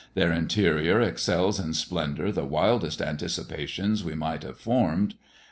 Their interior excels in splendour the wildest anticipations we might have formed.